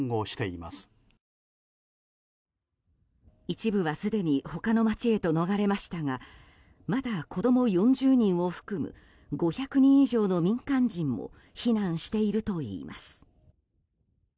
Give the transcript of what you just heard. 一部はすでに他の街へと逃れましたがまだ子供４０人を含む５００人以上の民間人も避難しているといいます。